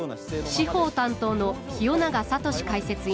司法担当の清永聡解説委員。